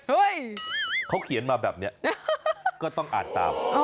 เขาเขียนมาแบบนี้ก็ต้องอ่านตาม